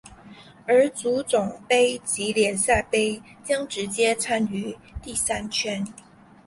而足总杯及联赛杯将直接参与第三圈。